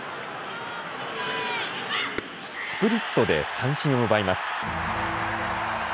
スプリットで三振を奪います。